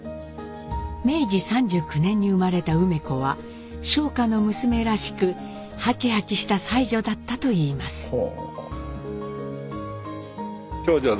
明治３９年に生まれた梅子は商家の娘らしくハキハキした才女だったといいます。